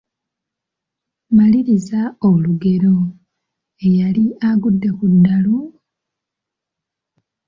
Maliriza olugero: Eyali agudde ku ddalu, ….